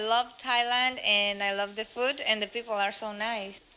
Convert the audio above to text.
และฉันก็ดีใจเยอะมากฉันชื่อไทยและช่วยให้คนช่วย